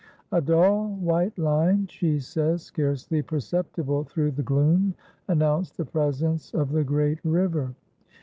"A dull white line," she says, "scarcely perceptible through the gloom, announced the presence of the great river.